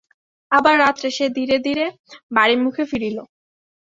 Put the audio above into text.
আবার রাত্রে সে ধীরে ধীরে বাড়িমুখে ফিরিল।